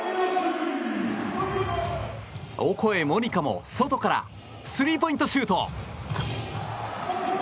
オコエ桃仁花も外からスリーポイントシュート。